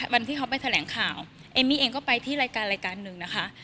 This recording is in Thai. วันที่เขาไปแถลงข่าวเอมมี่เองก็ไปที่รายการรายการหนึ่งนะคะ